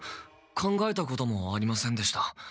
考えたこともありませんでした。